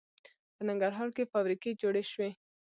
په ننګرهار کې فابریکې جوړې شوي